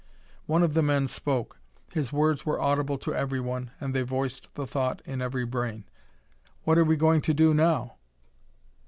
One of the men spoke. His words were audible to everyone, and they voiced the thought in every brain: "What're we going to do now?"